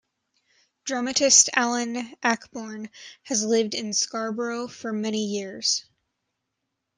Dramatist Alan Ayckbourn has lived in Scarborough for many years.